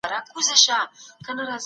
ډاکټر زیار د موضوع مخینه ډېره مهمه بولي.